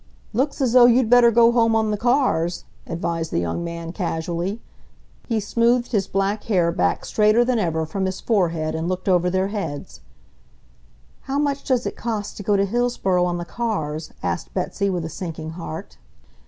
"Looks as though you'd better go home on the cars," advised the young man casually. He smoothed his black hair back straighter than ever from his forehead and looked over their heads. "How much does it cost to go to Hillsboro on the cars?" asked Betsy with a sinking heart.